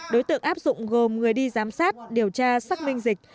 đối tượng áp dụng gồm người đi giám sát điều tra xác minh dịch